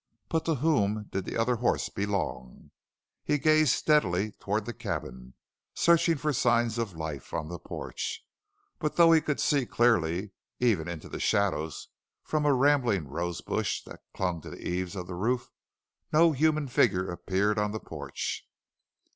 But to whom did the other horse belong? He gazed steadily toward the cabin, searching for signs of life on the porch. But though he could see clearly even into the shadows from a rambling rose bush that clung to the eaves of the roof no human figure appeared on the porch.